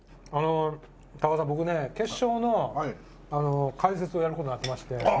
高田さん僕ね決勝の解説をやる事になってまして。